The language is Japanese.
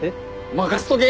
任せとけ！